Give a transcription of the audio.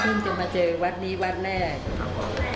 จะมาเจอวัดนี้วัดแรก